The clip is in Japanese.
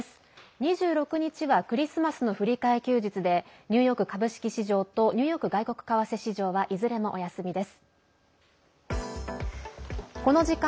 ２６日はクリスマスの振り替え休日でニューヨーク株式市場とニューヨーク外国為替市場はいずれもお休みです。